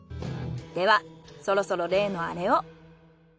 ではそろそろ例のアレを。